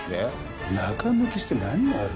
中抜きして何が悪い？